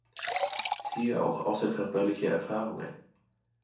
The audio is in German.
Siehe auch außerkörperliche Erfahrungen.